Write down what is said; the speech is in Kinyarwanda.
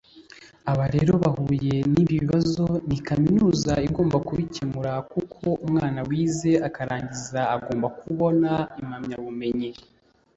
Aba rero bahuye n’ibi bibazo ni kaminuza igomba kubikemura kuko umwana wize akarangiza agomba kubona impamyabumenyi